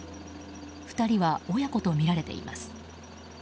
２人は親子とみられています。